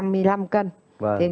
thế nhưng mà